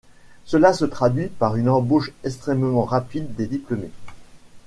Cela se traduit par une embauche extrêmement rapide des diplômés.